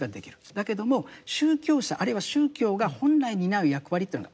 だけども宗教者あるいは宗教が本来担う役割というのがあるんだと。